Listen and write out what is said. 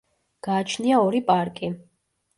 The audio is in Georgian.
გააჩნია ორი პარკი.